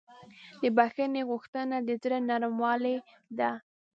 د بښنې غوښتنه د زړه نرموالی ده.